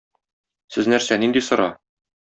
Сез нәрсә, нинди сыра?!